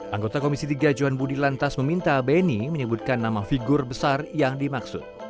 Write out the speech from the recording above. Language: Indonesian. anggota komisi tiga johan budi lantas meminta bni menyebutkan nama figur besar yang dimaksud